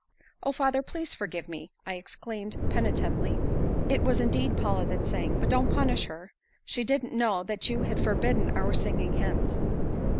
"Oh, father, please forgive me," I exclaimed penitently. "It was indeed Paula that sang. But don't punish her. She didn't know that you had forbidden our singing hymns."